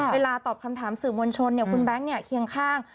เวลาตอบคำถามสื่อมวลชนคุณแบงค์เคียงข้าง